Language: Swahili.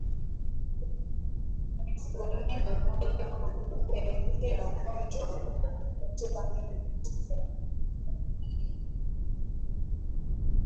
Mifugo mingi hupelekea ugonjwa wa kutupa mimba kutokea